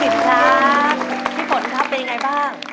พี่ฝนครับเป็นยังไงบ้าง